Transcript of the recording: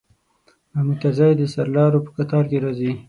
محمود طرزی د سرلارو په قطار کې راځي.